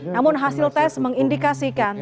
namun hasil tes mengindikasikan